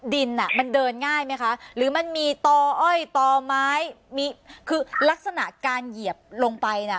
ดินอ่ะมันเดินง่ายไหมคะหรือมันมีต่ออ้อยต่อไม้มีคือลักษณะการเหยียบลงไปน่ะ